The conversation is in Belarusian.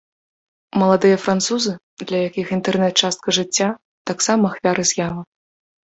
Маладыя французы, для якіх інтэрнэт-частка жыцця, таксама ахвяры з'явы.